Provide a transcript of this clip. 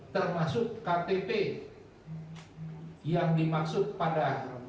termasuk ktp yang dimaksud pada